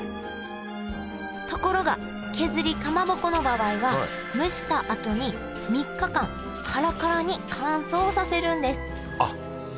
ところが削りかまぼこの場合は蒸したあとに３日間カラカラに乾燥させるんですあっ！